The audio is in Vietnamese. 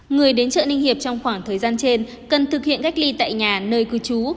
người đến chợ ninh hiệp trong khoảng thời gian trên cần thực hiện cách ly tại nhà nơi cư trú